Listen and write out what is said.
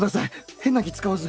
変な気使わず。